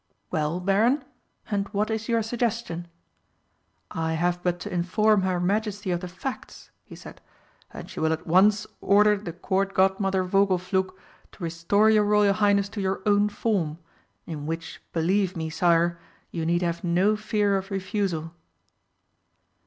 "Well, Baron, and what is your suggestion?" "I have but to inform her Majesty of the facts," he said, "and she will at once order the Court Godmother Vogelflug to restore your Royal Highness to your own form, in which, believe me, Sire, you need have no fear of refusal."